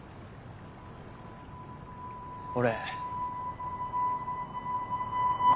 俺。